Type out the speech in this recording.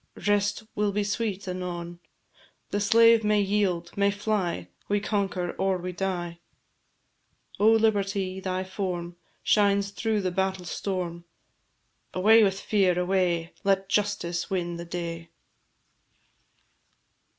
Rest will be sweet anon; The slave may yield, may fly, We conquer, or we die! O Liberty! thy form Shines through the battle storm. Away with fear, away! Let justice win the day.